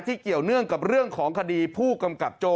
เกี่ยวเนื่องกับเรื่องของคดีผู้กำกับโจ้